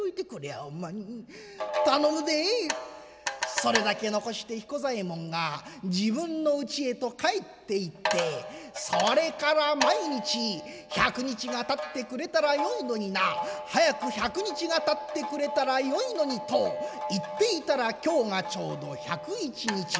それだけ残して彦左衛門が自分のうちへと帰っていってそれから毎日１００日がたってくれたらいいのにな早く１００日がたってくれたらよいのにと言っていたら今日がちょうど１０１日目。